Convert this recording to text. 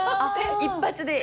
一発で。